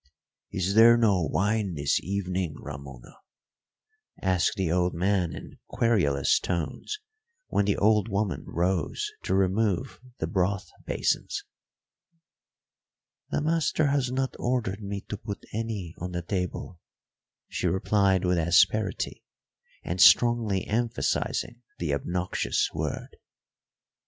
"Is there no wine this evening, Ramona?" asked the old man in querulous tones when the old woman rose to remove the broth basins. "The master has not ordered me to put any on the table," she replied with asperity, and strongly emphasising the obnoxious word.